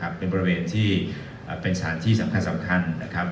เป็นบริเวณที่เป็นสถานที่สำคัญนะครับ